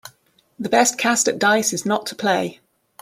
The best cast at dice is not to play.